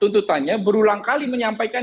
tuntutannya berulang kali menyampaikan